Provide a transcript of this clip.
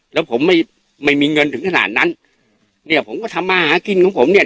แล้วผมไม่ไม่มีเงินถึงขนาดนั้นเนี่ยผมก็ทำมาหากินของผมเนี่ย